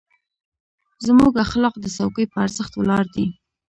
زموږ اخلاق د څوکۍ په ارزښت ولاړ دي.